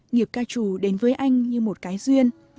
nghiệp ca trù đến với anh như một cái duyên